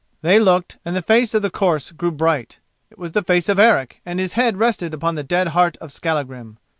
They looked, and the face of the corse grew bright. It was the face of Eric, and his head rested upon the dead heart of Skallagrim.